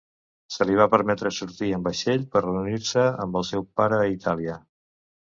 Se li va permetre sortir amb vaixell per reunir-se amb el seu pare a Itàlia.